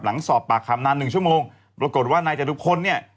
หลังสอบปากคำนานหนึ่งชั่วโมงปรากฏว่านายจตุพลเนี่ย